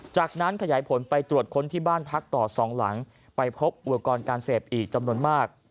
จากนั้นขยายผลไปตรวจค้นที่บ้านพักต่อสองหลังไปพบอุปกรณ์การเสพอีกจำนวนมาก